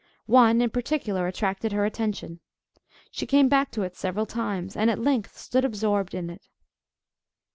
One in particular attracted her attention. She came back to it several times, and at length stood absorbed in it.